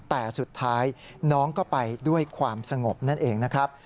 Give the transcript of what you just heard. แต่สุดท้ายน้องก็ไปด้วยความสงบนั่นเองนะครับ